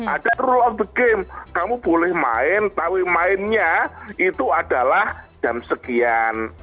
ada rule of the game kamu boleh main tapi mainnya itu adalah jam sekian